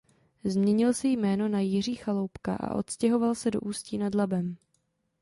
Změnil si jméno na Jiří Chaloupka a odstěhoval se do Ústí nad Labem.